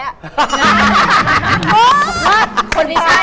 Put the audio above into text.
อย่างนี้ใช่ไหม